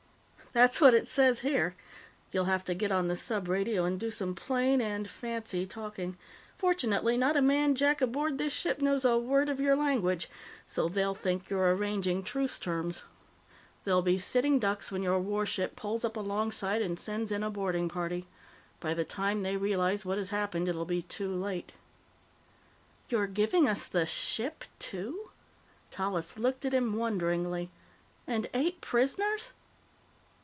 _" "That's what it says here. You'll have to get on the subradio and do some plain and fancy talking. Fortunately, not a man jack aboard this ship knows a word of your language, so they'll think you're arranging truce terms. "They'll be sitting ducks when your warship pulls up alongside and sends in a boarding party. By the time they realize what has happened, it will be too late." "You're giving us the ship, too?" Tallis looked at him wonderingly. "And eight prisoners?"